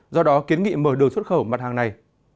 do đó kiến nghị mở đường xuất khẩu mặt hàng này